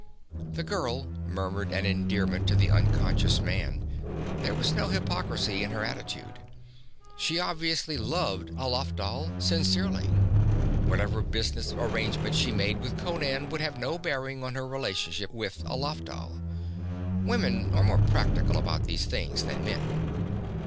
The girl murmured an endearment to the unconscious man, and there was no hypocrisy in her attitude. She obviously loved Alafdhal sincerely. Whatever business arrangement she made with Conan would have no bearing on her relationship with Alafdhal. Women are more practical about these things than men.